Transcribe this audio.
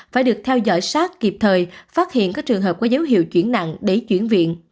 phải được theo dõi sát kịp thời phát hiện các trường hợp có dấu hiệu chuyển nặng để chuyển viện